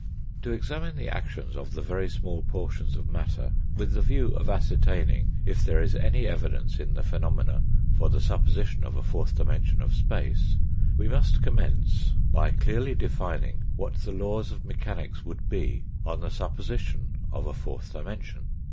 To examine the actions of the very small portions of matter with the view of ascertaining if there is any evidence in the phenomena for the supposition of a fourth dimension of space, we must commence by clearly defining what the laws of mechanics would be on the supposition of a fourth dimension.